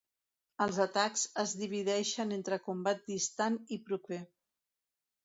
Els atacs es divideixen entre combat distant i proper.